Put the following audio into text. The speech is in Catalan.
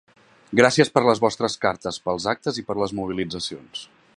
Gràcies per les vostres cartes, pels actes i per les mobilitzacions.